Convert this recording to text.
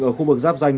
ở khu vực giáp danh